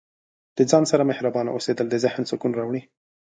د ځان سره مهربانه اوسیدل د ذهن سکون راوړي.